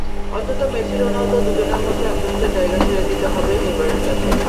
অন্তত মেসি-রোনালদো দুজনের মধ্যে একজনকে জায়গা ছেড়ে দিতে হবেই নেইমারের কাছে।